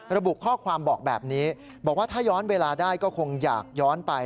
ระบุข้อความบอกแบบนี้บอกว่าถ้าย้อนเวลาได้ก็คงอยากย้อนไป